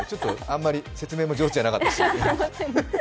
あまり説明も上手じゃなかったし。